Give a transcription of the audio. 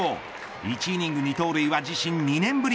１イニング２盗塁は自身２年ぶり。